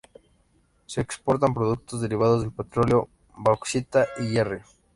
Se exportan productos derivados del petróleo, bauxita y hierro.